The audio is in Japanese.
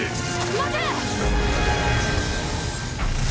待て！